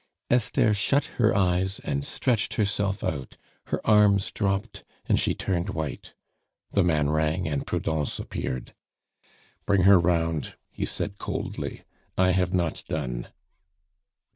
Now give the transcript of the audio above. Esther shut her eyes and stretched herself out, her arms dropped, and she turned white. The man rang, and Prudence appeared. "Bring her round," he said coldly; "I have not done."